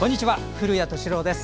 古谷敏郎です。